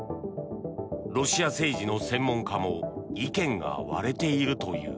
ロシア政治の専門家も意見が割れているという。